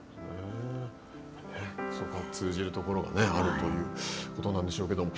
そこは通じるところはあるということなんでしょうけれども。